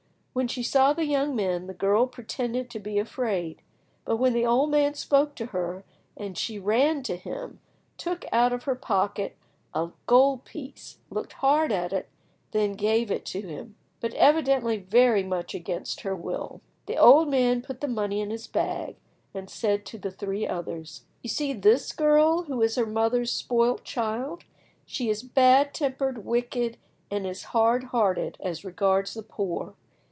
When she saw the young men, the girl pretended to be afraid, but when the old man spoke to her, she ran to him, took out of her pocket a gold piece, looked hard at it, and then gave it to him, but evidently very much against her will. The old man put the money in his bag, and said to the three others— "You see this girl who is her mother's spoilt child? She is bad tempered, wicked, and is hard hearted as regards the poor.